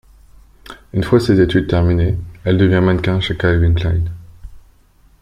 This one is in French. Une fois ses études terminées elle devient mannequin chez Calvin Klein.